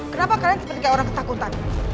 kenapa kalian seperti orang ketakutan